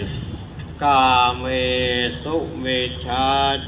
อธินาธาเวระมะนิสิขาปะทังสมาธิยามี